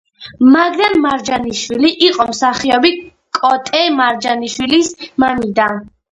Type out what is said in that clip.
მაგდანა მარჯანიშვილი იყო მსახიობ კოტე მარჯანიშვილის მამიდა.